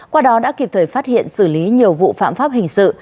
qua đó đã kịp thời phát hiện xử lý nhiều vụ phạm pháp hình sự